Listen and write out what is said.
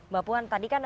mbak puan tadi kan